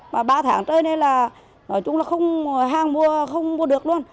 mà ba tháng trôi nay là nói chung là không hàng mua không mua được luôn